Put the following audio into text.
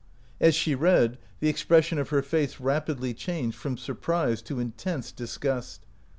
As she read, the expression of her face rapidly i75 OUT OF BOHEMIA changed from surprise to intense disgust.